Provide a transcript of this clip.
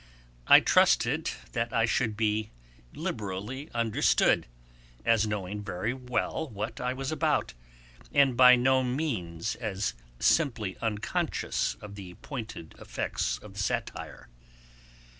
I trusted that I should be liberally understood, as knowing very well what I was about, and by no means as simply unconscious of the pointed effects of the satire.